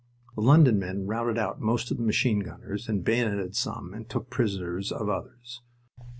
The London men routed out most of the machine gunners and bayoneted some and took prisoners of others.